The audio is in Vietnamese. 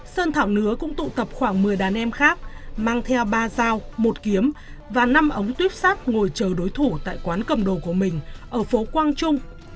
sơn thảo nứa cũng tụ tập khoảng một mươi đàn em khác mang theo ba dao một kiếm và năm ống tuyếp sắt ngồi chờ đối thủ tại quán cầm đồ của mình ở phố quang trung